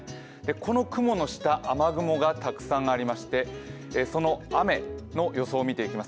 この雲の下雨雲がたくさんありまして、その雨の予想を見ていきます。